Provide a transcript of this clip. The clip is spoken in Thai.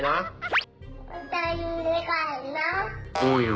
สุดท้ายของพ่อต้องรักมากกว่านี้ครับ